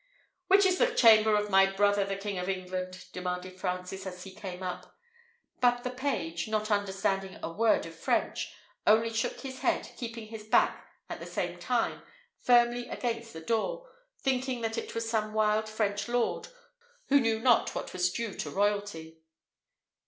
"Which is the chamber of my brother the King of England?" demanded Francis, as he came up; but the page, not understanding a word of French, only shook his head, keeping his back, at the same time, firmly against the door, thinking that it was some wild French lord, who knew not what was due to royalty.